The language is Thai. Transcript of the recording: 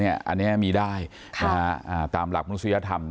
อันนี้มีได้ตามหลักมนุษยธรรม